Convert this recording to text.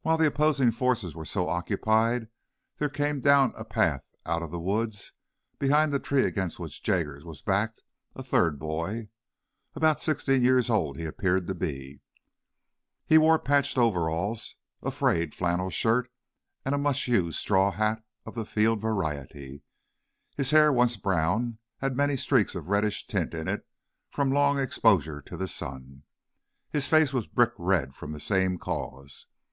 While the opposing forces were so occupied there came down a path out of the woods, behind the tree against which Jaggers was backed, a third boy. About sixteen years old he appeared to be. He wore patched overalls, a frayed flannel shirt and a much used straw hat of the field variety. His hair, once brown, had many streaks of reddish tint in it, from long exposure to the sun. His face was brick red from the same cause.